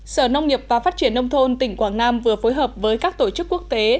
sở nông nghiệp và phát triển nông thôn tỉnh quảng nam vừa phối hợp với các tổ chức quốc tế